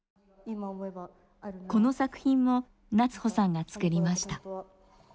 この作品も夏帆さんが作りました。